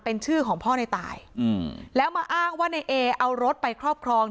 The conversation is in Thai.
เป็นชื่อของพ่อในตายอืมแล้วมาอ้างว่าในเอเอารถไปครอบครอง